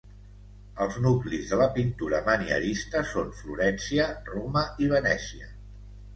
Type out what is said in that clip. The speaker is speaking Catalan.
Els nuclis de la pintura manierista són Florència, Roma i Venècia.